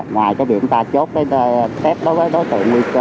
ngoài cái việc chúng ta chốt cái test đối với đối tượng nguy cơ